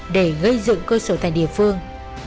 để gây dựng cơ sở thành địa phương